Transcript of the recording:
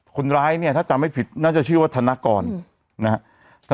คนร้ายเนี่ยถ้าจำไม่ผิดน่าจะชื่อว่าธนกรนะครับ